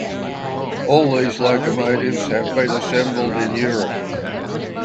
All these locomotives have been assembled in Europe.